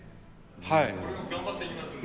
頑張っていきますんで。